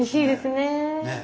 ねえ。